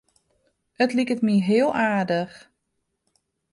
It liket my heel aardich.